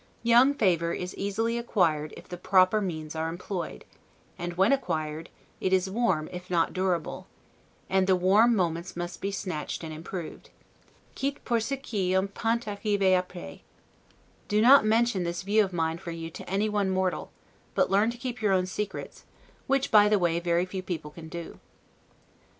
Young favor is easily acquired if the proper means are employed; and, when acquired, it is warm, if not durable; and the warm moments must be snatched and improved. 'Quitte pour ce qui en pent arriver apres'. Do not mention this view of mine for you to any one mortal; but learn to keep your own secrets, which, by the way, very few people can do.